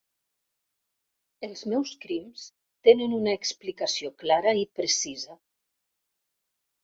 Els meus crims tenen una explicació clara i precisa.